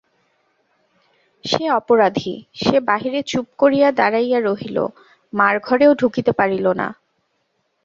সে অপরাধী, সে বাহিরে চুপ করিয়া দাঁড়াইয়া রহিল–মার ঘরেও ঢুকিতে পারিল না।